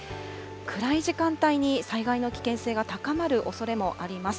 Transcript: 暗い時間帯に災害の危険性が高まるおそれもあります。